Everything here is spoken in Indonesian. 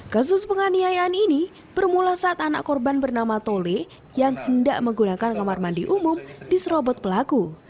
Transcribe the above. kasus penganiayaan ini bermula saat anak korban bernama tole yang hendak menggunakan kamar mandi umum diserobot pelaku